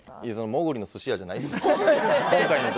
モグリの寿司屋じゃないですよ。